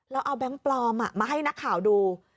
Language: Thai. แล้วเอาแบงค์ปลอมมาให้นักข่าวดู